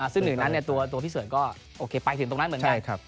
ซึ่งหนึ่งนั้นตัวพี่เสริญก็โอเคไปถึงตรงนั้นเหมือนกัน